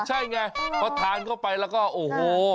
ใช่ไงพอทานเข้าไปแล้วก็โอ้โห